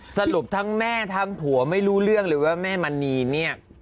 สรุปทั้งแม่ทั้งผัวไม่รู้เรื่องเลยว่าแม่มณีเนี่ย